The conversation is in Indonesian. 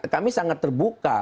kami sangat terbuka